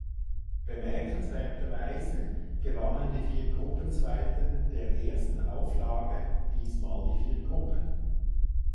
Bemerkenswerterweise gewannen die vier Gruppenzweiten der ersten Auflage diesmal die vier Gruppen.